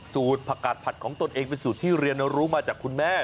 สูตรผักกาดผัดของตนเองเป็นสูตรที่เรียนรู้มาจากคุณแม่